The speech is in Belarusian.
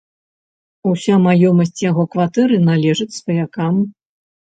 Уся маёмасць у яго кватэры належыць сваякам.